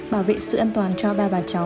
bảo vệ sự an toàn cho ba bà cháu